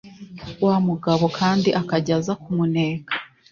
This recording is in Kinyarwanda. wa mugabo kandi akajya aza kumuneka,